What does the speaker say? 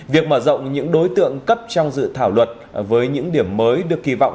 việc mở rộng những đối tượng cấp trong dự thảo luật với những điểm mới được kỳ vọng